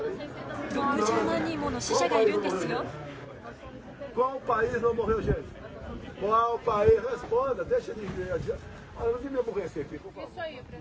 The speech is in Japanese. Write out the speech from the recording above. ６０万人もの死者がいるんですよ。